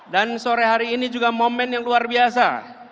dan sore hari ini juga momen yang luar biasa